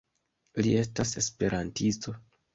Li estas esperantisto